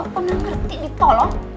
kamu gak pernah ngerti ditolong